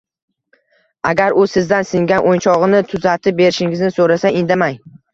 Agar u sizdan singan o‘yinchog‘ini tuzatib berishingizni so‘rasa, indamang.